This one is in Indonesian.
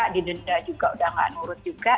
didenda juga udah gak nurut juga